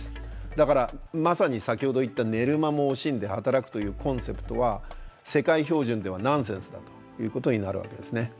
だからまさに先ほど言った寝る間も惜しんで働くというコンセプトは世界標準ではナンセンスだということになるわけですね。